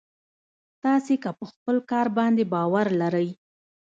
تاسې که په خپل کار باندې باور لرئ.